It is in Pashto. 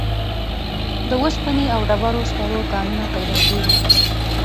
د اوسپنې او ډبرو سکرو کانونه پیدا کیږي.